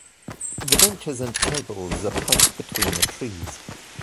The benches and tables are placed between the trees.